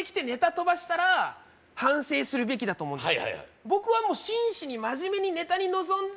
飛ばしたら反省するべきだと思うんです